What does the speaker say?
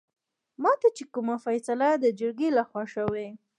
ماته چې کومه فيصله دجرګې لخوا شوې